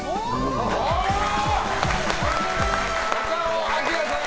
中尾彬さん